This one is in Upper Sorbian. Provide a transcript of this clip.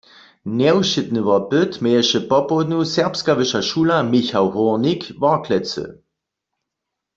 Njewšědny wopyt měješe popołdnju Serbska wyša šula „Michał Hórnik“ Worklecy.